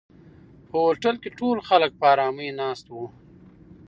په هوټل کې ټول خلک په آرامۍ ناست وو.